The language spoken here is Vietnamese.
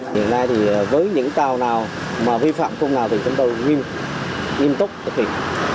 hiện nay với những tàu nào vi phạm vùng nào thì chúng tôi nghiêm tốc thực hiện